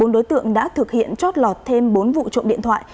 bốn đối tượng đã thực hiện chót lọt thêm bốn vụ trộm điện thoại